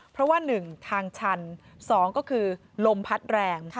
เพราะว่า๑ทางชัน๒ก็คือลมพัดแรง